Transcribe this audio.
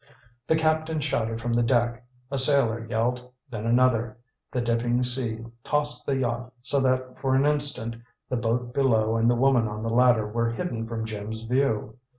The captain shouted from the deck, a sailor yelled, then another; the dipping sea tossed the yacht so that for an instant the boat below and the woman on the ladder were hidden from Jim's view.